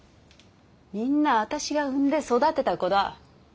みんな私が産んで育てた子だ。